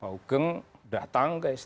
pak hugeng datang ke istana